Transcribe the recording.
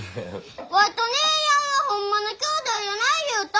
ワイと姉やんはホンマのきょうだいやない言うた！